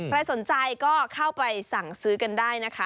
ใครสนใจก็เข้าไปสั่งซื้อกันได้นะคะ